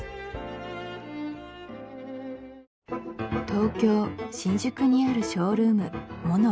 東京・新宿にあるショールーム